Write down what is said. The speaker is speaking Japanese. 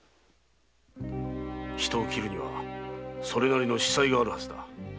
人を斬るにはそれなりの子細があるはずだ。